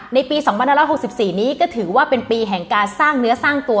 ในปี๒๑๖๔นี้ก็ถือว่าเป็นปีแห่งการสร้างเนื้อสร้างตัว